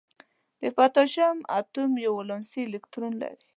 د پوتاشیم اتوم یو ولانسي الکترون لري.